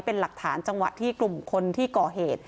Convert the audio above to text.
เป็นหลักฐานจังหวะที่กลุ่มคนที่ก่อเหตุ